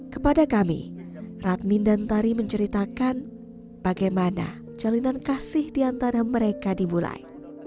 kepada kami radmin dan tari menceritakan bagaimana jalinan kasih diantara mereka dimulai